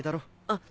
あっ。